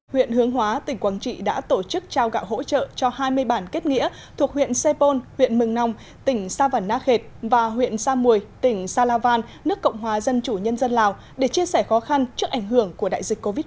huyện hướng hóa tỉnh quảng trị đã tổ chức trao gạo hỗ trợ cho hai mươi bản kết nghĩa thuộc huyện sê pôn huyện mừng nòng tỉnh sa văn na khệt và huyện sa mùi tỉnh sa la van nước cộng hòa dân chủ nhân dân lào để chia sẻ khó khăn trước ảnh hưởng của đại dịch covid một mươi chín